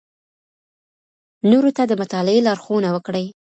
نورو ته د مطالعې لارښوونه وکړئ.